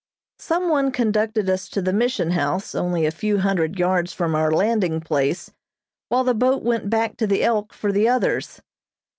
Some one conducted us to the Mission House, only a few hundred yards from our landing place, while the boat went back to the "Elk" for the others.